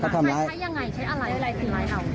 ใช้อย่างไรใช้อะไรอะไรสิ